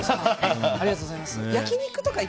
ありがとうございます。